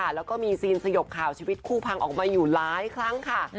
แล้วก็มีซีนสยบข่าวชีวิตคู่พังออกมาอยู่หลายครั้งค่ะ